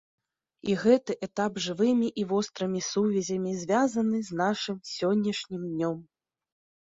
І гэты этап жывымі і вострымі сувязямі звязаны з нашым сённяшнім днём.